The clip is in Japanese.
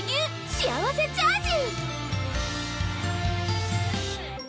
幸せチャージ！